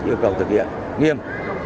yêu cầu thực hiện nghiêm